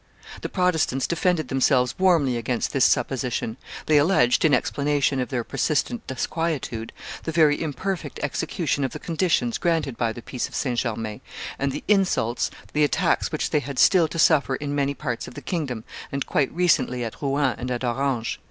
The Protestants defended themselves warmly against this supposition; they alleged, in explanation of their persistent disquietude, the very imperfect execution of the conditions granted by the peace of St. Germain, and the insults, the attacks which they had still to suffer in many parts of the kingdom, and quite recently at Rouen and at Orange.